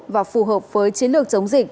và phù hợp với chiến lược chống dịch